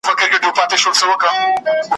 اه او اوف وي نور نو سړی نه پوهیږي `